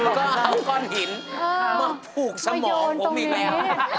แล้วก็เอาก้อนหินมาผูกสมองผมอีกแล้ว